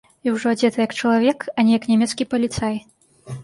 І ўжо адзеты як чалавек, а не як нямецкі паліцай.